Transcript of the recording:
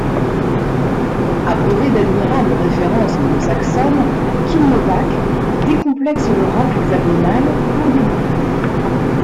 Abreuvé d’admirables références anglo-saxonnes, Kim Novak décomplexe le rock hexagonal pour de bon.